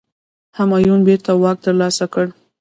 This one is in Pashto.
همایون بیرته واک ترلاسه کړ.